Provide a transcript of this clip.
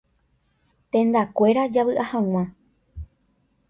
Tendakuéra javy'a hag̃ua.